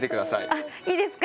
あっいいですか？